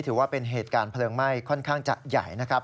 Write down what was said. ถือว่าเป็นเหตุการณ์เพลิงไหม้ค่อนข้างจะใหญ่นะครับ